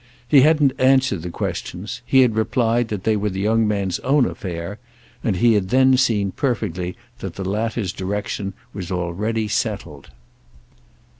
He hadn't answered the questions, he had replied that they were the young man's own affair; and he had then seen perfectly that the latter's direction was already settled.